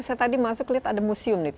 saya tadi masuk lihat ada museum